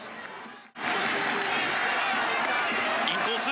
インコース！